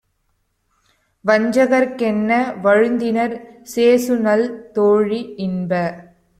வஞ்சகர்க் கென்ன வழுத்தினர் சேசுநல் தோழி - இன்ப